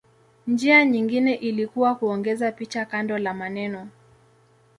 Njia nyingine ilikuwa kuongeza picha kando la maneno.